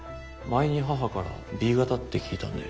前に母からＢ型って聞いたんで。